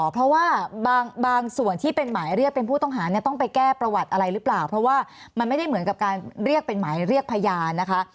เพราะว่าบางส่วนที่เป็นหมายเรียกเป็นผู้ต้องหาเนี่ยต้องไปแก้ประวัติอะไรหรือเปล่าเพราะว่ามันไม่ได้เหมือนกับการเรียกเป็นหมายเรียกพยานนะคะ